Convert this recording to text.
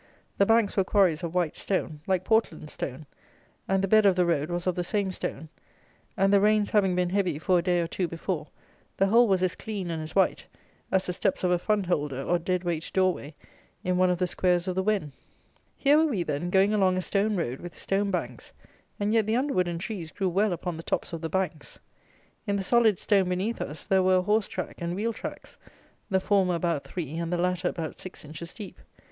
The banks were quarries of white stone, like Portland stone, and the bed of the road was of the same stone; and, the rains having been heavy for a day or two before, the whole was as clean and as white as the steps of a fund holder or dead weight door way in one of the Squares of the Wen. Here were we, then, going along a stone road with stone banks, and yet the underwood and trees grew well upon the tops of the banks. In the solid stone beneath us, there were a horse track and wheel tracks, the former about three and the latter about six inches deep.